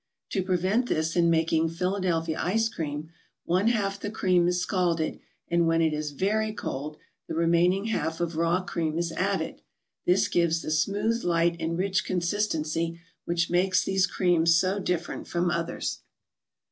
To prevent this in making Philadelphia Ice Cream, one half the cream is scalded, and when it is very cold, the remaining half of raw cream is added. This gives the smooth, light and rich consistency which makes these creams so different from others.